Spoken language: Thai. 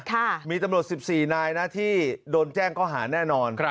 มีตำรวจ๑๔นายนะที่โดนแจ้งข้อหาแน่นอน